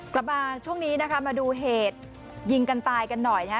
กลับมาช่วงนี้นะคะมาดูเหตุยิงกันตายกันหน่อยนะฮะ